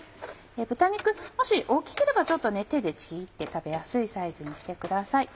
豚肉もし大きければちょっと手でちぎって食べやすいサイズにしてください。